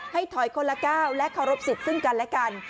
ถอยคนละก้าวและเคารพสิทธิ์ซึ่งกันและกัน